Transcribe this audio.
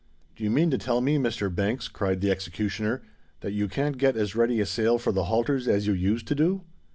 "Do you mean to tell me, Mr. Banks," cried the executioner, "that you can't get as ready a sale for the halters as you used to do?"